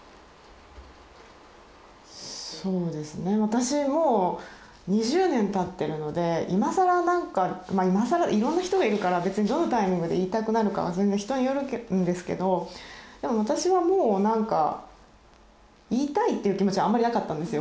そうですね私もう２０年たってるので今さらなんかまあ今さらいろんな人がいるから別にどのタイミングで言いたくなるかは全然人によるんですけどでも私はもうなんか言いたいっていう気持ちはあんまりなかったんですよ。